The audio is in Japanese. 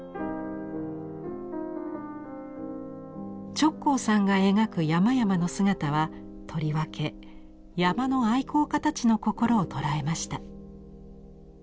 直行さんが描く山々の姿はとりわけ山の愛好家たちの心を捉えました。